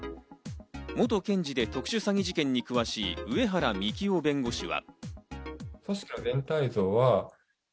元検事で特殊詐欺事件に詳しい上原幹男弁護士は。